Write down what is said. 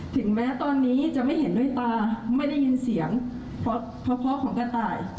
ถึงแม้ตอนนี้จะไม่เห็นด้วยตาไม่ได้ยินเสียงเพราะของกระต่าย